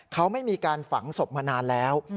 เขาไม่มีการฝังศพมานานแล้ว